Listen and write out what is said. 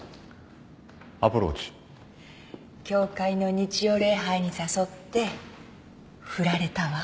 教会の日曜礼拝に誘って振られたわ。